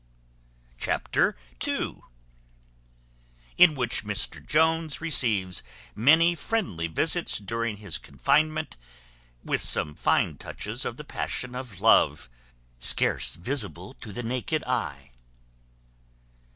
Chapter ii. In which Mr Jones receives many friendly visits during his confinement; with some fine touches of the passion of love, scarce visible to the naked eye.